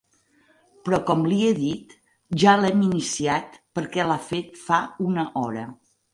Però com li he dit, ja l'hem iniciat perquè l'ha fet fa una hora.